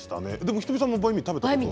仁美さんもバインミー食べたことは？